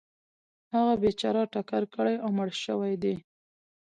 هغه بیچاره ټکر کړی او مړ شوی دی .